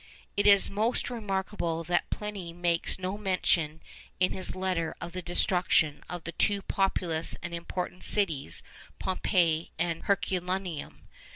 It is most remarkable that Pliny makes no mention in his letter of the destruction of the two populous and important cities, Pompeii and Herculaneum.